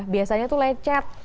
biasanya tuh lecet